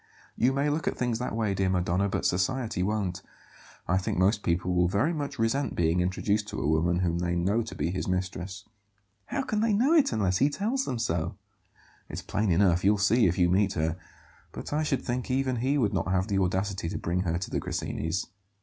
"You may look at things that way, dear Madonna, but society won't. I think most people will very much resent being introduced to a woman whom they know to be his mistress." "How can they know it unless he tells them so?" "It's plain enough; you'll see if you meet her. But I should think even he would not have the audacity to bring her to the Grassinis'."